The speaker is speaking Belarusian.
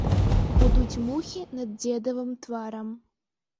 Гудуць мухі над дзедавым тварам.